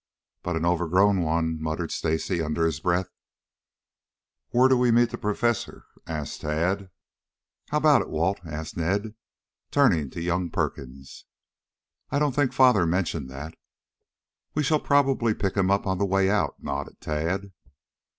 "But an overgrown one," muttered Stacy under his breath. "Where do we meet the Professor?" asked Tad. "How about it, Walt?" asked Ned, turning to young Perkins. "I don't think father mentioned that." "We shall probably pick him up on the way out," nodded Tad.